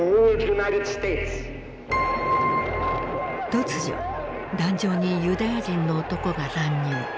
突如壇上にユダヤ人の男が乱入。